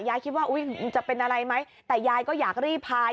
คิดว่าอุ๊ยจะเป็นอะไรไหมแต่ยายก็อยากรีบพาย